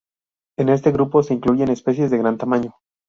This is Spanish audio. En este grupo se incluyen especies de gran tamaño.